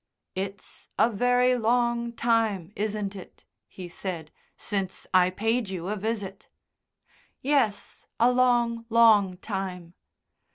"It's a very long time, isn't it," he said, "since I paid you a visit!" "Yes, a long, long time."